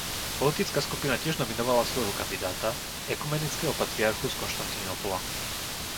Politická skupina tiež nominovala svojho kandidáta, ekumenického patriarchu z Konštantínopola.